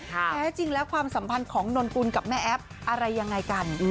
แท้จริงแล้วความสัมพันธ์ของนนกุลกับแม่แอ๊บอะไรยังไงกัน